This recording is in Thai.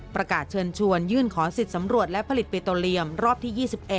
ประกาศเชิญชวนยื่นขอสิทธิ์สำรวจและผลิตเบโตเรียมรอบที่๒๑